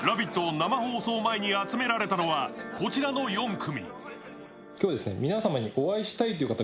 生放送前に集められたのはこちらの４組。